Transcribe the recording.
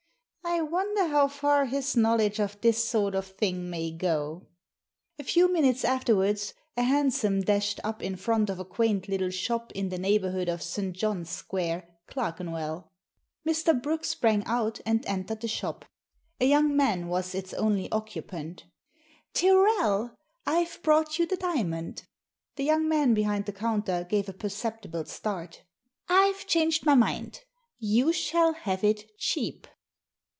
I wonder how far his knowledge of this sort of thing may go ?" A few minutes afterwards a hansom dashed up in front of a quaint little shop in the neighbourhood of St John's Square, Clerkenwell. Mr. Brooke o I9J Digitized by VjOOQIC 194 THE SEEN AND THE UNSEEN sprang out and entered the shop. A young man was its only occupant •Tyrrel, I've brought you the diamond." The young man behind the counter gave a perceptible start •'I've changed my mind. You shall have it cheap."